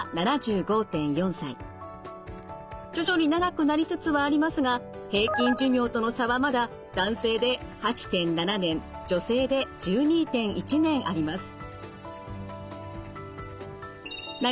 徐々に長くなりつつはありますが平均寿命との差はまだ男性で８．７年女性で１２．１年あります。